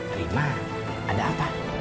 rima ada apa